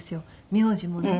名字もね。